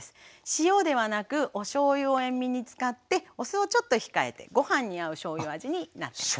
塩ではなくおしょうゆを塩味に使ってお酢をちょっと控えてご飯に合うしょうゆ味になってます。